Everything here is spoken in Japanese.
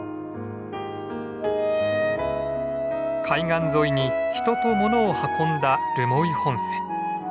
海岸沿いに人と物を運んだ留萌本線。